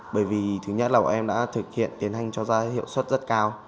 bởi vì thứ nhất là bọn em đã thực hiện tiến hành cho ra hiệu suất rất cao